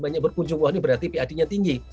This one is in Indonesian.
banyak berkunjung berarti pad nya tinggi